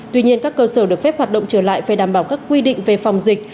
tuy nhiên các cơ sở được phép hoạt động trở lại phải đảm bảo các quy định về phòng dịch